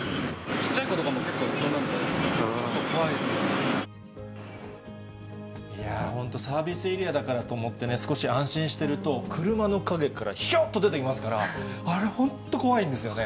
ちっちゃい子とかも結構いそうなんで、いやぁ、本当サービスエリアだからと思って少し安心してると、車の陰からひょっと出てきますから、あれ本当怖いんですよね。